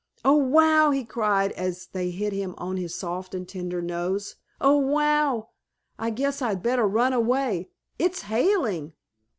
"Oh, wow!" he cried, as they hit him on his soft and tender nose. "Oh, wow! I guess I'd better run away. It's hailing!"